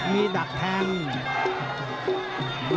มีดักแทง